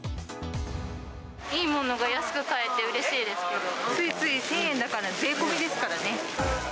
いいものが安く買えてうれしついつい１０００円だから、税込みですからね。